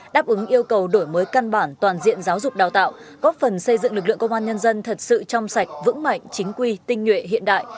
đáp ứng yêu cầu đổi mới căn bản toàn diện giáo dục đào tạo góp phần xây dựng lực lượng công an nhân dân thật sự trong sạch vững mạnh chính quy tinh nhuệ hiện đại